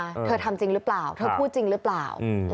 เธอทำจริงหรือเปล่าเธอพูดจริงหรือเปล่าอืม